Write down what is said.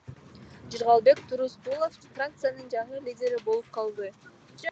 Жыргалбек Турускулов фракциянын жаңы лидери болуп калды.